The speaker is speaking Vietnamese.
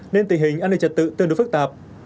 nên tình hình an ninh trật tự tương đối phức tạp